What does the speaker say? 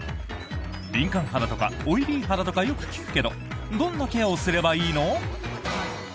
敏感肌とかオイリー肌とかよく聞くけどどんなケアをすればいいの？